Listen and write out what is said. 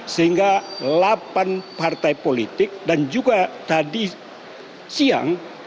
sehingga delapan partai politik dan juga tadi siang